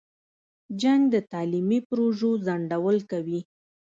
جنګ د تعلیمي پروژو ځنډول کوي.